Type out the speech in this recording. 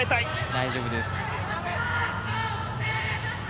大丈夫です。